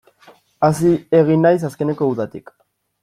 Hazi egin naiz azkeneko udatik.